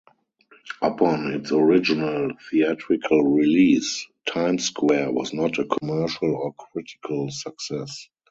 Upon its original theatrical release, "Times Square" was not a commercial or critical success.